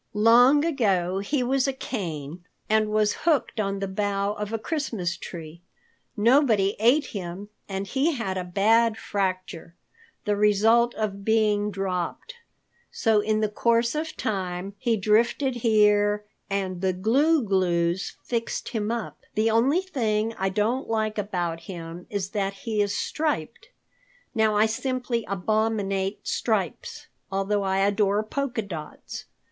Long ago he was a cane and was hooked on the bough of a Christmas tree. Nobody ate him and he had a bad fracture, the result of being dropped. So in the course of time, he drifted here and the Gloo Gloos fixed him up. The only thing I don't like about him is that he is striped. Now I simply abominate stripes, although I adore polka dots.